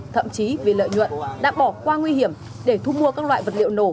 thậm chí vì lợi nhuận đã bỏ qua nguy hiểm để thu mua các loại vật liệu nổ